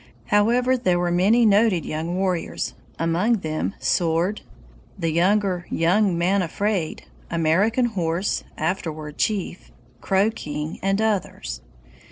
However, there were many noted young warriors, among them Sword, the younger Young Man Afraid, American Horse [afterward chief], Crow King, and others.